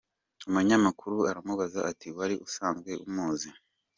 Umunyamukaru aramubaza ati wari usanzwe umuzi?.